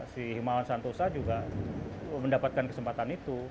si himawan santosa juga mendapatkan kesempatan itu